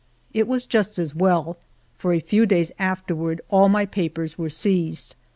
It was just as well, for a few days afterward all my papers were seized.